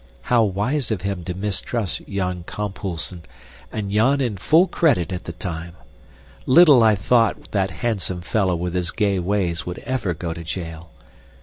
How wise of him to mistrust Jan Kamphuisen, and Jan in full credit at the time. Little I thought that handsome fellow with his gay ways would ever go to jail!